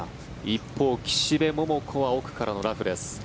一方、岸部桃子は奥からのラフです。